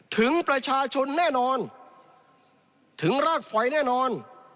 ถึงประชาชนแน่นอนถึงรากฝอยแน่นอน